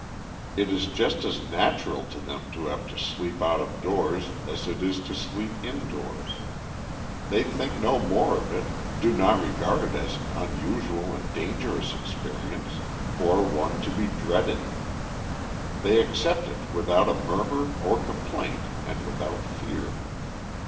It is just as natural to them to have to sleep out of doors as it is to sleep indoors. They think no more of it, do not regard it as an unusual and dangerous experience, or one to be dreaded. They accept it without a murmur or complaint, and without fear.